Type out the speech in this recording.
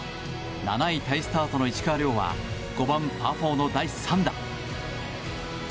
７位タイスタートの石川遼は５番、パー４の第３打。